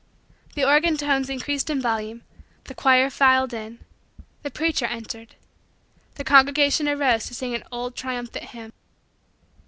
The organ tones increased in volume. The choir filed in. The preacher entered. The congregation arose to sing an old triumphant hymn.